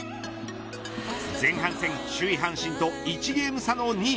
前半戦、首位阪神と１ゲーム差の２位。